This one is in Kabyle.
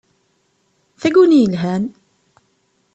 Taguni yelhan!